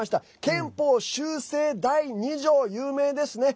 憲法修正第２条、有名ですね。